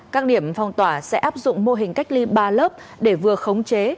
các điểm phong tỏa sẽ áp dụng mô hình cách ly ba lớp để vừa khống chế